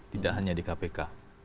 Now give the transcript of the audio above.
tidak hanya di kpk